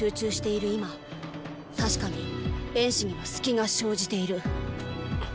今たしかに衍氏には隙が生じている。